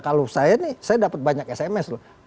kalau saya nih saya dapat banyak sms loh